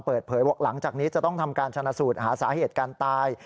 เปิดเผยว่าหลังจากนี้จะต้องทำการชนะสูตรหาสาเหตุการตาย